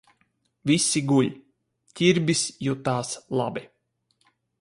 Visi guļ. Ķirbis jutās labi.